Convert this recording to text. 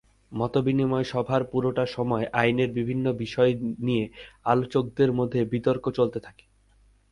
মতবিনিময় সভার পুরোটা সময় আইনের বিভিন্ন বিষয় নিয়ে আলোচকদের মধ্যে বিতর্ক চলতে থাকে।